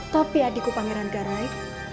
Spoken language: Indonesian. tapi adikku pangeran garai